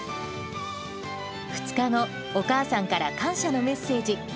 ２日後、お母さんから感謝のメッセージ。